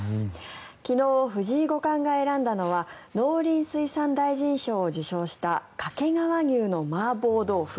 昨日、藤井五冠が選んだのは農林水産大臣賞を受賞した掛川牛のマーボー豆腐。